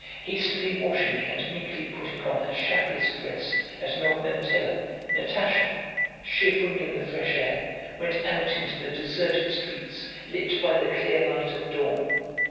Hastily washing, and meekly putting on her shabbiest dress and an old mantilla, Natásha, shivering in the fresh air, went out into the deserted streets lit by the clear light of dawn.